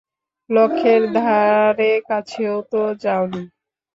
লক্ষ্যের ধারেকাছেও তো যাওনি!